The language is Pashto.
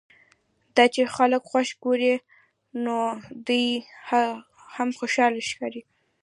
دا چې خلک خوښ ګوري نو دی هم خوشاله ښکاري.